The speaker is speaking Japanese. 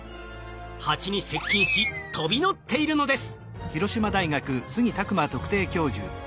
ハチに接近し飛び乗っているのです。